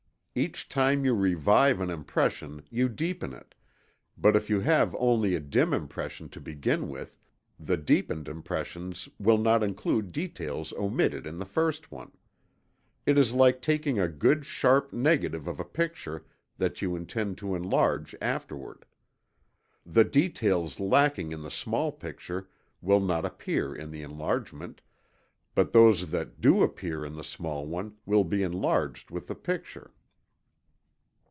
Each time you revive an impression you deepen it, but if you have only a dim impression to begin with, the deepened impressions will not include details omitted in the first one. It is like taking a good sharp negative of a picture that you intend to enlarge afterward. The details lacking in the small picture will not appear in the enlargement; but those that do appear in the small one, will be enlarged with the picture.